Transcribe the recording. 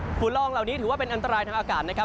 ฝุ่นลองเหล่านี้ถือว่าเป็นอันตรายทางอากาศนะครับ